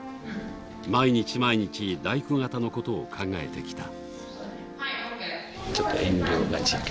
毎日毎日大工方のことを考えてきた。